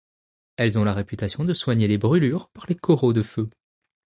Elles ont la réputation de soigner les brulures par les coraux de feu.